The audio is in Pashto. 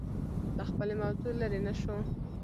له خپلې موضوع لرې نه شو